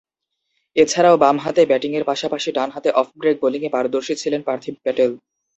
এছাড়াও, বামহাতে ব্যাটিংয়ের পাশাপাশি ডানহাতে অফ ব্রেক বোলিংয়ে পারদর্শী ছিলেন পার্থিব প্যাটেল।